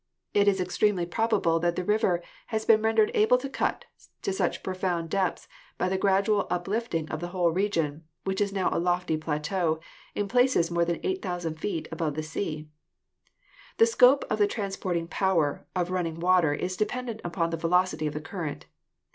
It is extremely probable that the river has been rendered able to cut to such profound k^^ £?S :S H A LEk^H ""^ Fig. 22 — Strata at Niagara Falls. depths by the gradual uplifting of the whole region, which is now a lofty plateau, in places more than 8,000 feet above the sea. The scope of the transporting power of running water is dependent upon the velocity of the current.